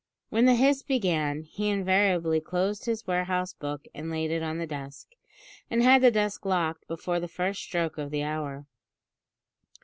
When the hiss began, he invariably closed his warehouse book and laid it in the desk, and had the desk locked before the first stroke of the hour.